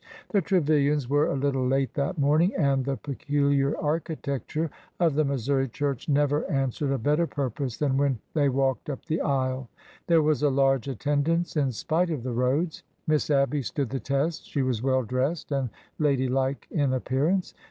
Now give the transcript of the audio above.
The Trevilians were a little late that morning, and the peculiar architecture of the Missouri church never an swered a better purpose than when they walked up the aisle. There was a large attendance in spite of the roads. Miss Abby stood the test. She was well dressed and ladylike in appearance.